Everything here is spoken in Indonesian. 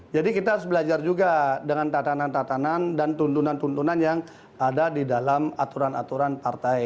jadi kita harus belajar juga dengan tatanan tatanan dan tuntunan tuntunan yang ada di dalam aturan aturan partai